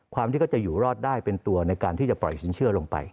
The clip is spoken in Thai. ที่เขาจะอยู่รอดได้เป็นตัวในการที่จะปล่อยสินเชื่อลงไป